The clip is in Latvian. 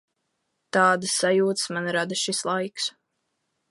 Tādas sajūtas man rada šis laiks.